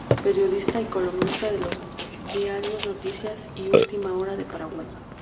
Periodista y columnista de los Diarios Noticias y Ultima Hora de Paraguay.